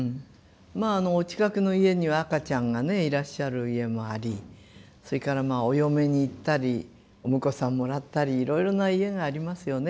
まあお近くの家には赤ちゃんがねいらっしゃる家もありそれからまあお嫁に行ったりお婿さんもらったりいろいろな家がありますよね。